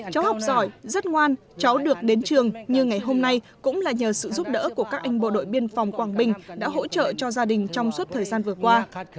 cháu học giỏi rất ngoan cháu được đến trường như ngày hôm nay cũng là nhờ sự giúp đỡ của các anh bộ đội biên phòng quảng bình đã hỗ trợ cho gia đình trong suốt thời gian vừa qua